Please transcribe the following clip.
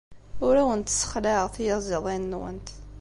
Ur awent-ssexlaɛeɣ tiyaziḍin-nwent.